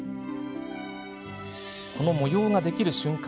この模様ができる瞬間